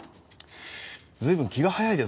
随分気が早いですね。